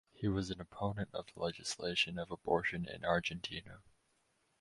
He was an opponent of the legalization of abortion in Argentina.